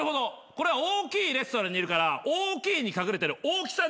これは大きいレストランにいるから大きいに隠れてるオオキさんじゃない？